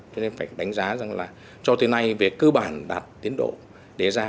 cho nên phải đánh giá rằng là cho thế này về cơ bản đạt tiến độ đế ra